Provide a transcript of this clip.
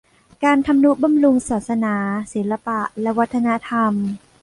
การทำนุบำรุงศาสนา ศิลปะและวัฒนธรรม